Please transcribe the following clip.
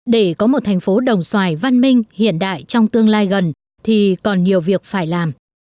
để có một thành phố đồng xoài văn minh hiện đại trong tương lai gần thì còn nhiều việc phải làm